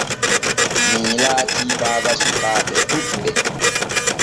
Mii laati baba sukaaɓe ɗuɓɓe.